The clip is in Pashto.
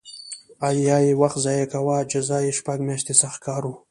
یا یې وخت ضایع کاوه جزا یې شپږ میاشتې سخت کار و